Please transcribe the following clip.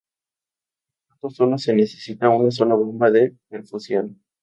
Por lo tanto, solo se necesita una sola bomba de perfusión.